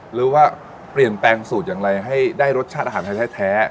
หรือว่าเปลี่ยนแปลงสูตรอย่างไรให้ได้รสชาติอาหารไทยแท้